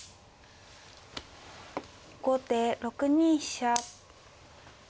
後手６二飛車。